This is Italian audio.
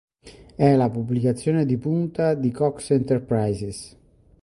È la pubblicazione di punta di Cox Enterprises.